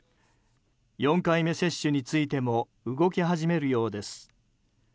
４回目接種についても動き始めるようです。